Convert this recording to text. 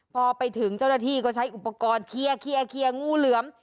พอไปถึงเจ้าหน้าที่ก็ใช้อุปกรณ์เคลียร์งูเหลือม